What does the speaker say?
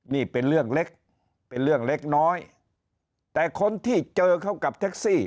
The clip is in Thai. นี่เป็นเรื่องเล็กเป็นเรื่องเล็กน้อยแต่คนที่เจอเขากับแท็กซี่